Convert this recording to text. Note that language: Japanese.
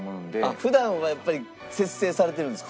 普段はやっぱり節制されてるんですか？